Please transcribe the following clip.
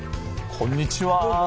こんにちは！